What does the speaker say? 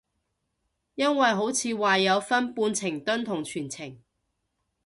因為好似話有分半程蹲同全程